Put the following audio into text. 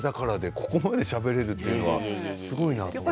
ここまでしゃべれるというのはすごいなと思いました。